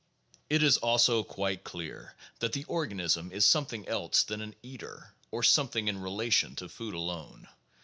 It is also quite clear that the organism is something else than an eater, or something in relation to food alone.